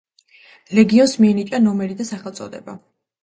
ლეგიონს მიენიჭა ნომერი და სახელწოდება.